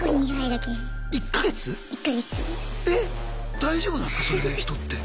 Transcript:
えっ大丈夫なんすかそれで人って。